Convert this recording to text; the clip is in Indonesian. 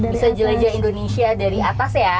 bisa jelajah indonesia dari atas ya